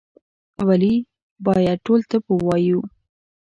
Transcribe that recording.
ولي باید ټول طب ووایو؟